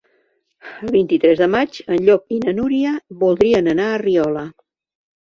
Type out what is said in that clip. El vint-i-tres de maig en Llop i na Núria voldrien anar a Riola.